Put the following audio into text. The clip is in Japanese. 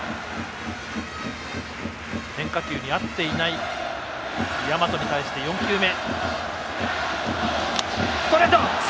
変化球に合っていない大和に対して４球目。